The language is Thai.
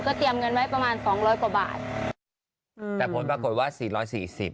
เตรียมเงินไว้ประมาณสองร้อยกว่าบาทอืมแต่ผลปรากฏว่าสี่ร้อยสี่สิบ